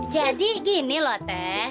jadi gini loh teh